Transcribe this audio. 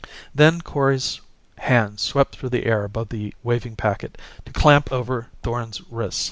Then Kori's hand swept through the air above the waving packet, to clamp over Thorn's wrist.